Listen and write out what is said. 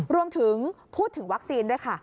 รวมถึงพูดถึงวัคซีนด้วยค่ะ